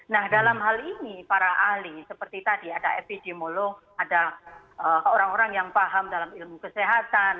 nah dalam hal ini para ahli seperti tadi ada epidemiolog ada orang orang yang paham dalam ilmu kesehatan